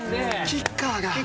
キッカーが。